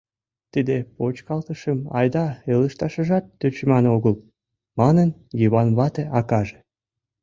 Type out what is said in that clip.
— Тиде почкалтышым айда ылыжташыжат тӧчыман огыл, — манын Йыван вате акаже.